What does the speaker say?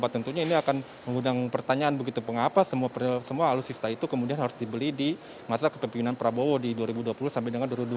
tentunya ini akan menggunakan pertanyaan begitu pengapa semua pernyataan alusista itu kemudian harus dibeli di masa kepimpinan prabowo di dua ribu dua puluh sampai dua ribu dua puluh empat